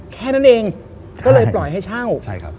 แค่นั้นเองก็เลยปล่อยให้เช่า